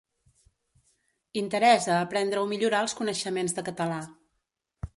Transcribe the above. Interès a aprendre o millorar els coneixements de català.